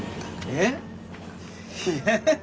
えっ？